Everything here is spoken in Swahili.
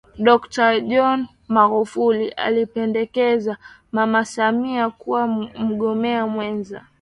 Dokta John Magufuli alimpendekeza Mama Samia kuwa mgombea mwenza